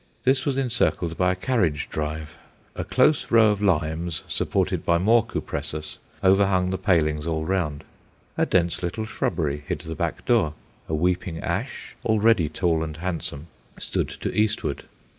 This was encircled by a carriage drive! A close row of limes, supported by more Cupressus, overhung the palings all round; a dense little shrubbery hid the back door; a weeping ash, already tall and handsome, stood to eastward.